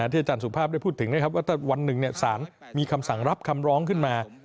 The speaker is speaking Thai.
อาจารย์สุภาพได้พูดถึงนะครับว่าถ้าวันหนึ่งสารมีคำสั่งรับคำร้องขึ้นมา